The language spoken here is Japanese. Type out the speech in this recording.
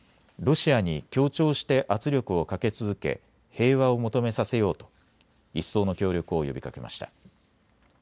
ロシアに協調して圧力をかけ続け平和を求めさせようと一層の協力を呼びかけました。